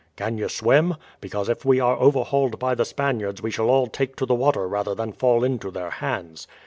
"Can you swim? Because if we are overhauled by the Spaniards we shall all take to the water rather than fall into their hands."